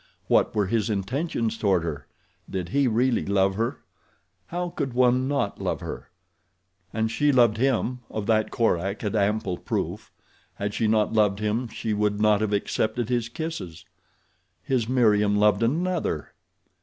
What were his intentions toward her? Did he really love her? How could one not love her? And she loved him, of that Korak had had ample proof. Had she not loved him she would not have accepted his kisses. His Meriem loved another!